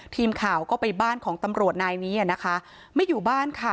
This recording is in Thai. ทีมข่าวก็ไปบ้านของตำรวจนายนี้อ่ะนะคะไม่อยู่บ้านค่ะ